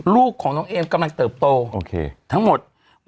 ลูกของน้องอิงก็เพิ่งคลอด